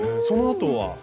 そのあとは？